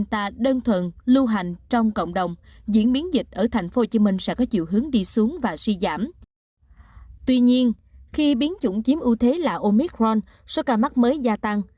tuy nhiên khi biến chủng chiếm ưu thế là omicron số ca mắc mới gia tăng